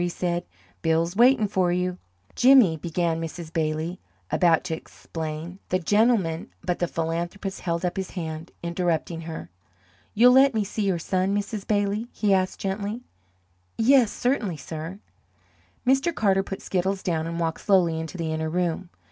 he said. "Bill's waitin' for you!" "Jimmy," began Mrs. Bailey, about to explain, "the gentleman " But the philanthropist held up his hand, interrupting her. "You'll let me see your son, Mrs. Bailey?" he asked, gently. "Why, certainly, sir." Mr. Carter put Skiddles down and walked slowly into the inner room.